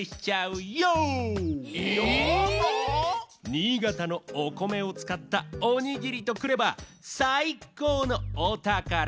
新潟のお米をつかったおにぎりとくればさいこうのおたから！